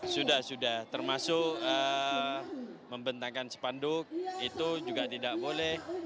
sudah sudah termasuk membentakan spanduk itu juga tidak boleh